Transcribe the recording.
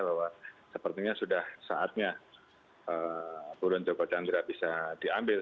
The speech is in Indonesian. bahwa sepertinya sudah saatnya buruan joko chandra bisa diambil